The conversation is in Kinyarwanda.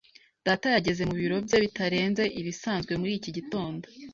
Data yageze mu biro bye bitarenze ibisanzwe muri iki gitondo.